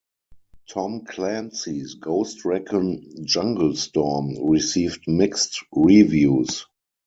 "Tom Clancy's Ghost Recon: Jungle Storm" received mixed reviews.